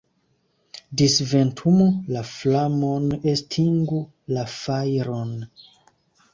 Disventumu la flamon, estingu la fajron!